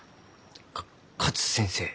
か勝先生？